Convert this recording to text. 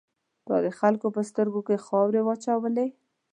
تا د خلکو په سترګو کې خاورې واچولې.